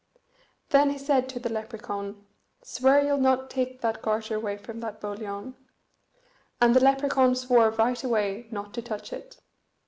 Then he said to the Lepracaun, "Swear ye'll not take that garter away from that boliaun." And the Lepracaun swore right away not to touch it.